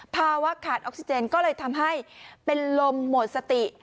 ภาวะขาดออกซิเจนก็เลยทำให้เป็นลมหมดสติ